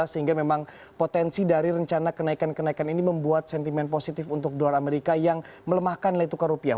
sehingga memang potensi dari rencana kenaikan kenaikan ini membuat sentimen positif untuk dolar amerika yang melemahkan nilai tukar rupiah